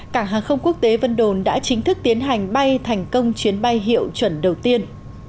cảng hàng không quốc tế vân đồn đã chính thức tiến hành bay thành công chuyến bay hiệu chuẩn đầu tiên